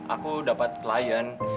aku dapat klien